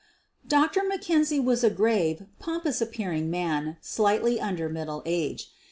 Dr. Mackenzie was a grave, pompous appearing man, slightly under middle age.